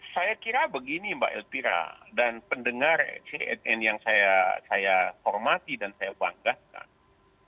saya kira begini mbak elvira dan pendengar cnn yang saya hormati dan saya banggakan